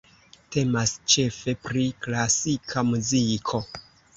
Temas ĉefe pri klasika muziko.